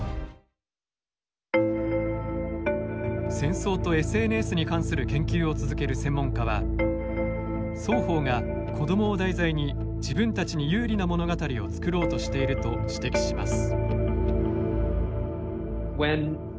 戦争とＳＮＳに関する研究を続ける専門家は双方が子どもを題材に自分たちに有利な物語を作ろうとしていると指摘します。